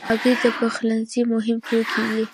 هګۍ د پخلنځي مهم توکي دي.